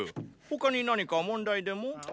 他に何か問題でも？